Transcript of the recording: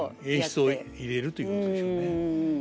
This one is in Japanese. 演出を入れるということでしょうね。